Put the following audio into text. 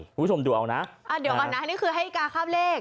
คุณผู้ชมดูเอานะอ่าเดี๋ยวก่อนนะนี่คือให้กาข้ามเลข